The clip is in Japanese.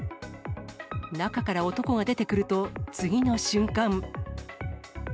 中から男が出てくると、次の瞬間。